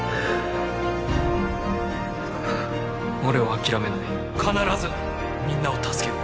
俺は諦めない必ずみんなを助ける